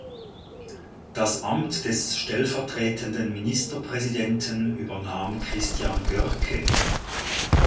Das Amt des stellvertretenden Ministerpräsidenten übernahm Christian Görke.